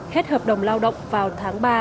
hết hợp đồng lao động vào tháng ba